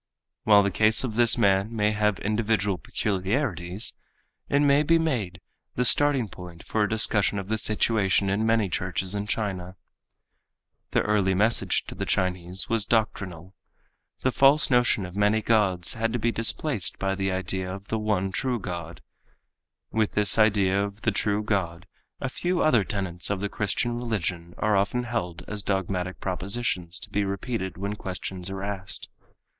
While the case of this man may have individual peculiarities, it may be made the starting point for a discussion of the situation in many churches in China. The early message to the Chinese was doctrinal. The false notion of many gods had to be displaced by the idea of the one true God. With this idea of the true God a few other tenets of the Christian religion are often held as dogmatic propositions to be repeated when questions are asked.